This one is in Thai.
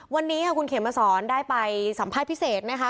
วันนี้ค่ะคุณเขมสอนได้ไปสัมภาษณ์พิเศษนะคะ